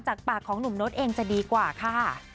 จากปากของหนุ่มโน๊ตเองจะดีกว่าค่ะ